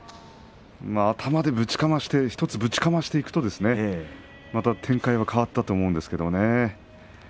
頭で１つぶちかましていくとまた展開は変わったと思うんですけれどもね。